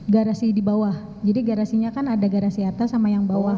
garasi di bawah jadi garasinya kan ada garasi atas sama yang bawah